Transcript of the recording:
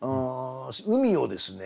海をですね